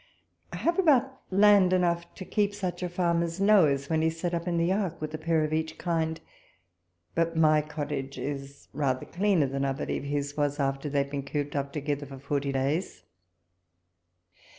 I have about land enough to keep such a farm as Noah's, when he set up in the ark with a pair of each kind ; but my cottage is rather cleaner than I believe his was after they had been cooped up together forty days.